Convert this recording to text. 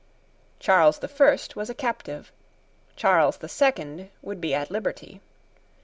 Charles the First was a captive: Charles the Second would be at liberty.